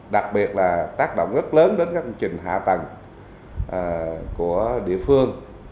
đặc biệt là tác động rất lớn đến các công trình hạ tầng của địa phương